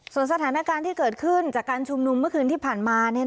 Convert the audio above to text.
ส่วนสถานการณ์ที่เกิดขึ้นจากการชุมนุมเมื่อคืนที่ผ่านมา